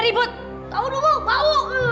ribut tahu mau